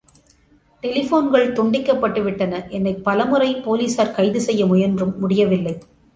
டெலிபோன்கள் துண்டிக்கப்பட்டுவிட்டன என்னைப் பலமுறை போலீசார் கைது செய்ய முயன்றும் முடியவில்லை.